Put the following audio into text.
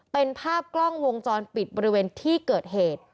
เป็นภาพกล้องวงจรปิดบริเวณที่เกิดเหตุ